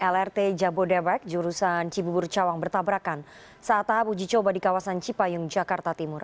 lrt jabodebek jurusan cibubur cawang bertabrakan saat tahap uji coba di kawasan cipayung jakarta timur